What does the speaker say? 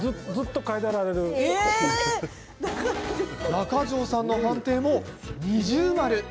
中城さんの判定も二重丸。